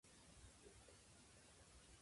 札幌駅に着いた